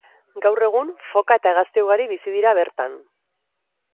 Gaur egun, foka eta hegazti ugari bizi da bertan.